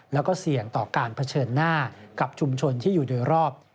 แล้วก็เสี่ยงต่อการเผชิญหน้ากับชุมชนที่อยู่โดยรอบ